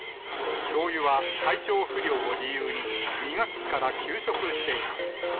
教諭は体調不良を理由に、２学期から休職しています。